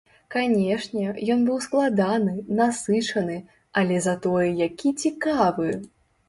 Канешне, ён быў складаны, насычаны, але затое які цікавы!